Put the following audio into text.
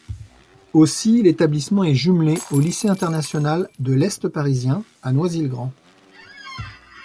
Aussi, l´établissement est jumelé au Lycée International de l´Est Parisien, à Noisy-le-Grand.